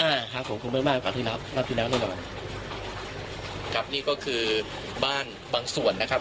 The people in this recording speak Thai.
ครับผมคงไม่มากกว่าที่นับนับที่แล้วแน่นอนครับนี่ก็คือบ้านบางส่วนนะครับ